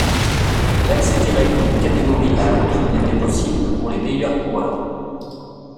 L'accès direct d'une catégorie à l'autre n'était possible que pour les meilleurs coureurs.